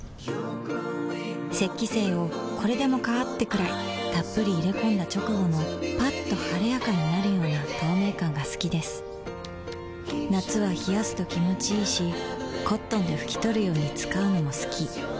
雪肌精をこれでもかーってくらいっぷり入れ込んだ直後のッと晴れやかになるような透明感が好きです夏は冷やすと気持ちいいし灰奪肇で拭き取るように使うのも好き